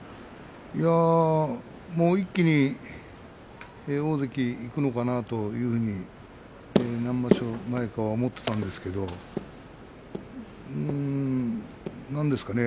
いや、もう一気に大関いくのかなと何場所前かに思っていたんですけれども何ですかね